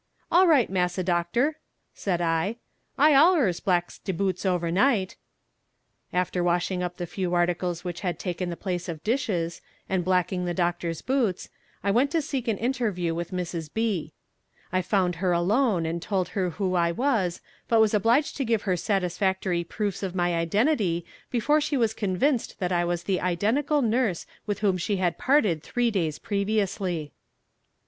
"All right, Massa Doct'r," said I; "I allers blacks de boots over night." After washing up the few articles which had taken the place of dishes, and blacking the Doctor's boots, I went to seek an interview with Mrs. B. I found her alone and told her who I was, but was obliged to give her satisfactory proofs of my identity before she was convinced that I was the identical nurse with whom she had parted three days previously.